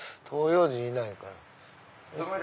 東洋人いないかな？